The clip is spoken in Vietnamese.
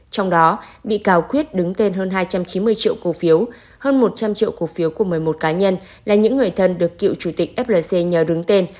trong đó bị cáo quyết đứng tên hơn hai trăm chín mươi triệu cổ phiếu hơn một trăm linh triệu cổ phiếu của một mươi một cá nhân là những người thân được cựu chủ tịch flc nhờ đứng tên